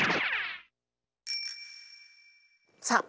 さあ